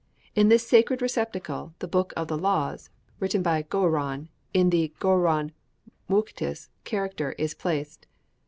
In this sacred receptacle, the book of the laws, written by Gouron in the 'gourou moukhtis' character, is placed.